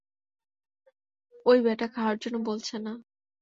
ওই ব্যাটা খাওয়ার জন্য বলছে না!